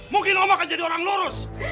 mungkin allah akan jadi orang lurus